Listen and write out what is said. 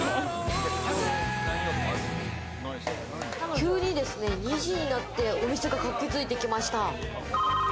急に２時になってお店が活気づいてきました。